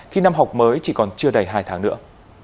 khi năm học mới chỉ còn chưa đầy hai tháng nữa